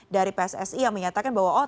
dari pssi yang menyatakan bahwa oh